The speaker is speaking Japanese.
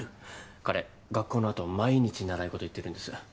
彼学校のあと毎日習い事行ってるんです。